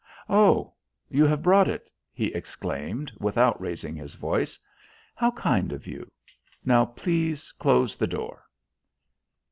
"Oh, you have brought it!" he exclaimed without raising his voice. "How kind of you. Now please close the door."